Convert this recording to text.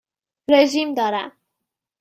رژیم دارم.